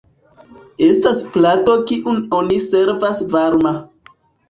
Estas plado kiun oni servas varma.